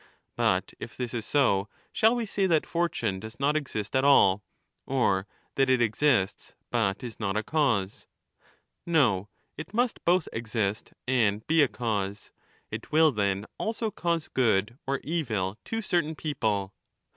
But if this is so, shall we say that fortune does not exist at all, or that it exists but is not a cause? No, it must both exist and be a cause. It will, then, also cause good or evil to certain people.